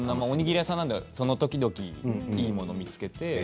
おにぎり屋さんなんでその時々いいもの見つけて。